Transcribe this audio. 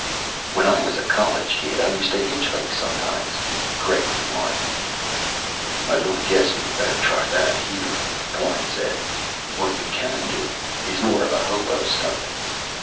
"When I was a college kid, I used to hitchhike sometimes," Craig remarked. "I don't guess we had better try that here," Klein said. "What we can do is more of a hobo stunt."